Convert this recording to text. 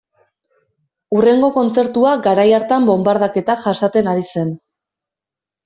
Hurrengo kontzertua garai hartan bonbardaketak jasaten ari zen.